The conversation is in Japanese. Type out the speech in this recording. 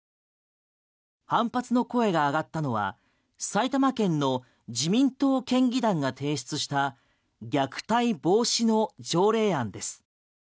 反発の声が上がったのは埼玉県の自民党県議団が提出した虐待防止の条例案です。